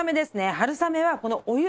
春雨はこのお湯。